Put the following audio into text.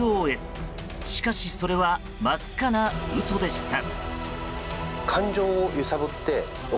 しかし、それは真っ赤な嘘でした。